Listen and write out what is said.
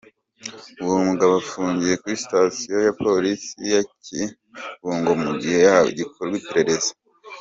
Uwo mugabo afungiye kuri Sitasiyo ya Polisi ya Kibungo mu gihe hagikorwa iperereza.